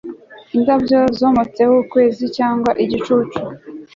indabyo zometseho ukwezi, cyangwa igicucu